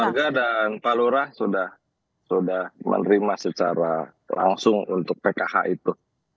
keluarga dan palura sudah menerima secara langsung untuk pkk itu